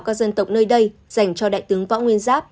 các dân tộc nơi đây dành cho đại tướng võ nguyên giáp